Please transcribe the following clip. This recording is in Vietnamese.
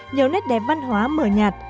nhiều nét đẹp văn hóa mở nhạt